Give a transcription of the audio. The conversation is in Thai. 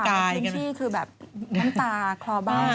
คนข่าว๑๙๗๒นชี๊่คือแบบน้ำตาครอบบ้า